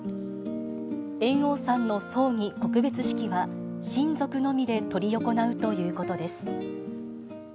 猿翁さんの葬儀・告別式は、親族のみで執り行うということです。